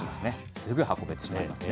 すぐ運べてしまいますね。